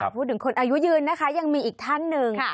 พูดถึงคนอายุยืนนะคะยังมีอีกท่านหนึ่ง